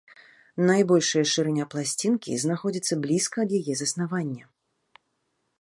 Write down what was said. Найбольшая шырыня пласцінкі знаходзіцца блізка ад яе заснавання.